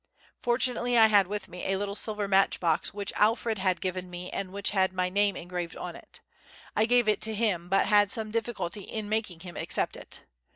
Fortunately I had with me a little silver match box which Alfred had given me and which had my name engraved on it. I gave it to him, but had some difficulty in making him accept it.